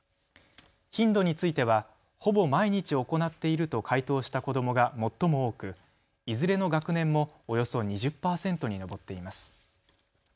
頻度については、ほぼ毎日行っていると回答した子どもが最も多くいずれの学年もおよそ２０％に上っています。